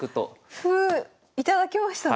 歩頂けましたね！